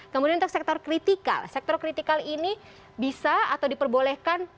kemudian untuk sektor kritikal sektor kritikal ini bisa atau diperbolehkan